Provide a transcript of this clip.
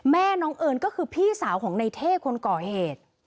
แม่น้องเอิญก็คือพี่สาวของในเท่คนก่อเหตุ